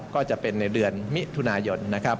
ก็จะเป็นในเดือนมิถุนายน